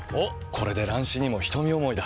これで乱視にも瞳思いだ。